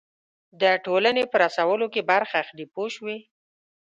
د ټولنې په رسولو کې برخه اخلي پوه شوې!.